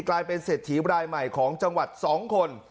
กลายเป็นเศรษฐีรายใหม่ของจังหวัด๒คน